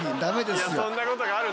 いやそんなことがあるんだね。